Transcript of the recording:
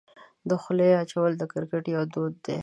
د خولۍ اچول د کرکټ یو دود دی.